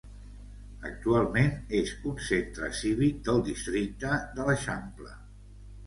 Actualment és un centre cívic del Districte de l'Eixample.